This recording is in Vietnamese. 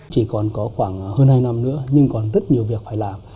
chỉ còn có khoảng hơn hai năm nữa nhưng còn rất nhiều việc phải làm